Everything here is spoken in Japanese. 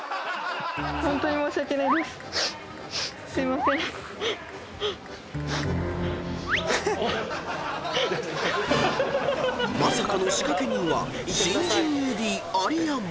［まさかの仕掛け人は新人ＡＤ有山］